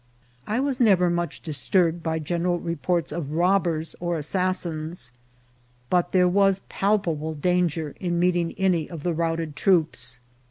I was never much disturbed by general reports of robbers or assassins, but there was palpable danger in meeting any of the routed troops.